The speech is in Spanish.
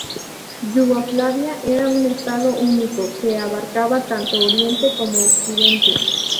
Yugoslavia era un estado único, que abarcaba tanto Oriente como Occidente.